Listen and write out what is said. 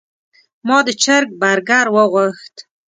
ما د چرګ برګر وغوښت.